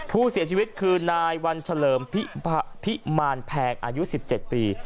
ผู้เสียชีวิตคือนายวันเฉลิมพิมารแพงอายุ๑๗ปี